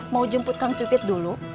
mau jemput kang pipit dulu